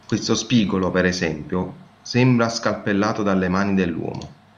Questo spigolo, per esempio, sembra scalpellato dalle mani dell'uomo!